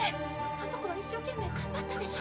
あの子は一生懸命頑張ったでしょ